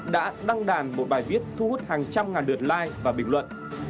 đã đăng đàn một bài viết thu hút hàng trăm ngàn lượt like và bình luận